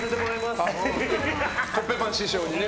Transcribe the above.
コッペパン師匠にね。